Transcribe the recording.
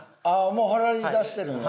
もう貼り出してるんや。